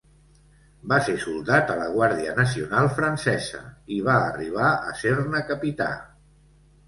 Va ser soldat a la Guàrdia Nacional francesa i va arribar a ser-ne capità.